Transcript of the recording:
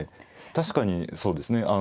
確かにそうですね。